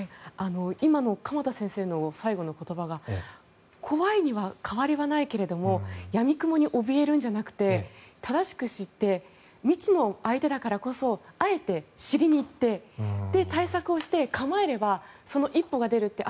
今の鎌田先生の最後の言葉が怖いには変わりはないけれどもやみくもにおびえるんじゃなくて正しく知って未知の相手だからこそあえて知りにいって対策をして、構えればその一歩が出るって。